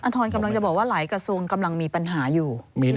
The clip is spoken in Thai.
ทรกำลังจะบอกว่าหลายกระทรวงกำลังมีปัญหาอยู่